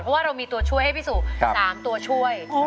เพราะว่าเรามีตัวช่วยให้พี่สุ๓ตัวช่วย